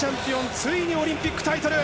ついにオリンピックタイトル。